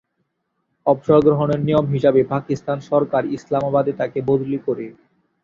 অবসরগ্রহণের নিয়ম হিসাবে পাকিস্তান সরকার ইসলামাবাদে তাকে বদলি করে।